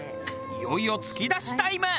いよいよつきだしタイム。